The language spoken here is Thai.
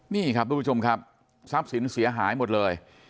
นี่ครับทุกผู้ชมครับทรัพย์สินเสียหายหมดเลย